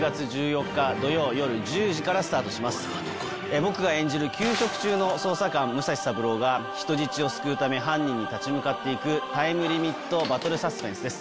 僕が演じる休職中の捜査官武蔵三郎が人質を救うため犯人に立ち向かって行くタイムリミット・バトル・サスペンスです